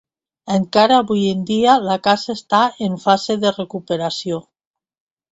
Encara avui en dia la casa està en fase de recuperació.